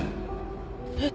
えっ？